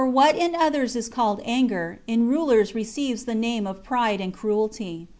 what in others is called anger, in rulers receives the name of pride and cruelty.